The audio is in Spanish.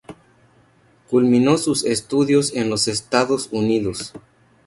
Culminó sus estudios en los Estados Unidos.